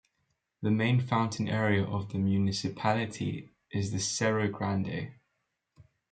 The main mountain area of the municipality is the Cerro Grande.